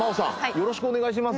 よろしくお願いします。